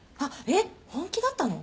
えっ本気だったの？